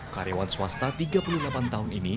karyawan swasta tiga puluh delapan tahun ini